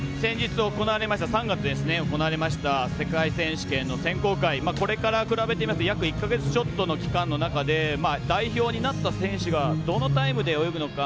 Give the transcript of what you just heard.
３月に行われました世界選手権の選考会これから比べて１か月ちょっとの期間の中で代表になった選手がどのタイムで泳ぐのか。